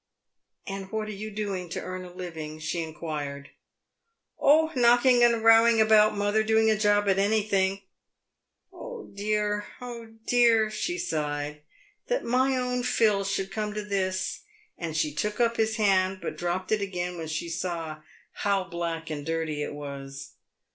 " And what are you doing to earn a living ?" she inquired. " Oh, knocking and rowing about, mother ; doing a job at any thing" "Oh dear! oil dear!" she sighed, "that my own Phil should come to this !" And she took up his hand, but dropped it again when she saw how black and dirty it was.